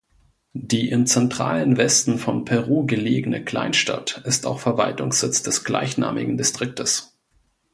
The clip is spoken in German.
Die im zentralen Westen von Peru gelegene Kleinstadt ist auch Verwaltungssitz des gleichnamigen Distriktes.